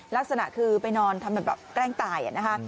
ลักษณะคือไปนอนทำแบบแกล้งตายนะคะ